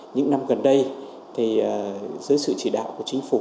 những năm gần đây dưới sự chỉ đạo của chính phủ